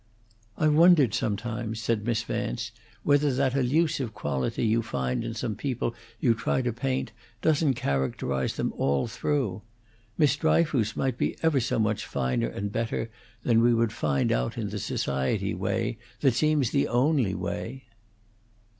"I've wondered sometimes," said Miss Vance, "whether that elusive quality you find in some people you try to paint doesn't characterize them all through. Miss Dryfoos might be ever so much finer and better than we would find out in the society way that seems the only way."